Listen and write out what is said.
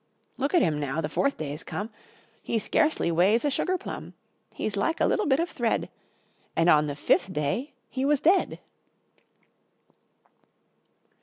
Look at him, now the fourth day's come! He scarcely weighs a sugar plum; He's like a little bit of thread, And, on the fifth day, he was dead!